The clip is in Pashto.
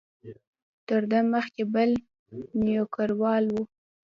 تر ده مخکې بل نوکریوال و.